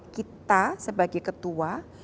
kita sebagai ketua